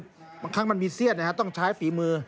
บางครั้งมันมีเสี้ยนต้องใช้ฝีมือ